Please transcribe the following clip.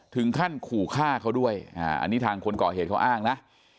ถึงขั้นขู่ฆ่าเขาด้วยอันนี้ทางคนก่อเหตุเขาอ้างนะ